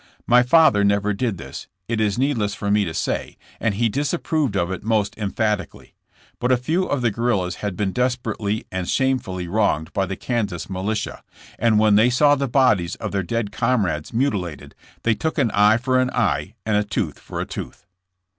My father never did this, it is needless for me to say, and he disapproved of it most emphatically, but a few of the guerrillas had been desperately and shamefully wronged by the Kansas militia, and when they saw the bodies of their dead comrades mutilated they took an eye for an eye and a tooth for a tooth.